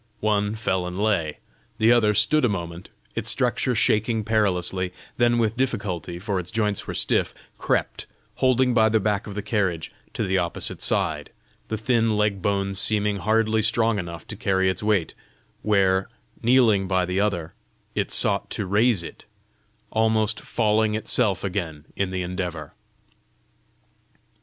One fell and lay; the other stood a moment, its structure shaking perilously; then with difficulty, for its joints were stiff, crept, holding by the back of the carriage, to the opposite side, the thin leg bones seeming hardly strong enough to carry its weight, where, kneeling by the other, it sought to raise it, almost falling itself again in the endeavour.